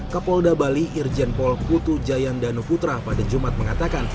kapolda bali irjenpol putu jayan danuputra pada jumat mengatakan